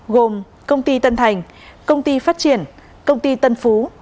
gồm công ty tân thành công ty phát triển công ty tân phú